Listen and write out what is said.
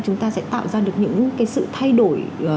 chúng ta sẽ tạo ra được những cái sự thay đổi